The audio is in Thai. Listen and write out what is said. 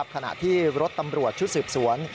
ขณะที่รถตำรวจชุดสืบสวน